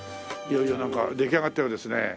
いよいよなんか出来上がったようですね。